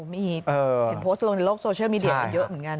มีเห็นโพสต์ลงในโลกโซเชียลมีเดียมาเยอะเหมือนกัน